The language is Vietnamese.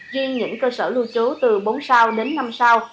riêng những cơ sở lưu trú từ bốn sao đến năm sao